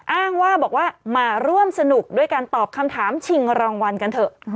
อ้างว่าบอกว่ามาร่วมสนุกด้วยการตอบคำถามชิงรางวัลกันเถอะ